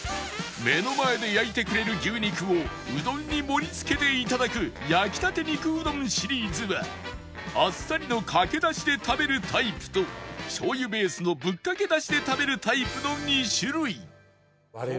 目の前で焼いてくれる牛肉をうどんに盛り付けて頂く焼きたて肉うどんシリーズはあっさりのかけだしで食べるタイプと醤油ベースのぶっかけだしで食べるタイプの２種類